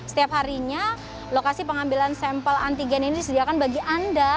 setiap harinya lokasi pengambilan sampel antigen ini disediakan bagi anda